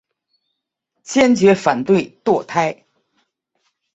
坚决反对堕胎。